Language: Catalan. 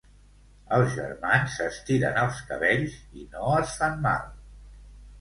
Els germans s'estiren els cabells i no es fan mal.